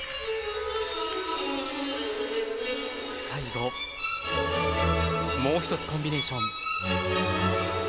最後、もう１つコンビネーション。